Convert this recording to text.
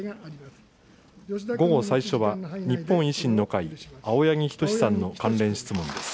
午後最初は、日本維新の会、青柳仁士さんの関連質問です。